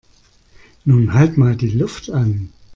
Nun halt mal die Luft an!